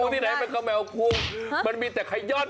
พุงที่ไหนมันเข้าแมวพุงมันมีแต่ไข่ย่อน